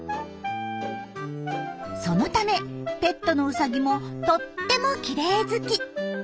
そのためペットのウサギもとってもきれい好き。